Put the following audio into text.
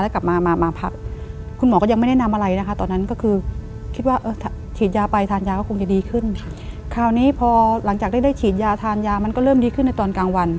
คราวนี้พอหลังจากได้ได้ฉีดยาทานยามันก็เริ่มดีขึ้นในตอนกลางวัน